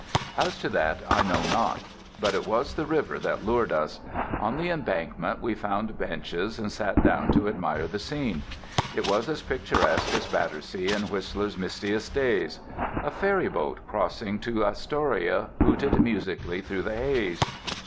As to that I know not. But it was the river that lured us. On the embankment we found benches and sat down to admire the scene. It was as picturesque as Battersea in Whistler's mistiest days. A ferryboat, crossing to Astoria, hooted musically through the haze.